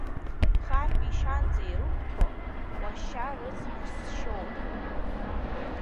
Хаҳәи шьанҵеи ирықәҭәо, уашьа рыцҳа сшьоуп.